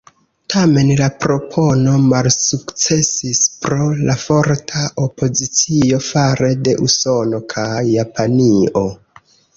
Tamen, la propono malsukcesis pro la forta opozicio fare de Usono kaj Japanio.